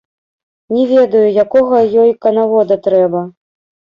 Ні ведаю, якога ёй канавода трэба?